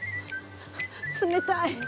冷たい！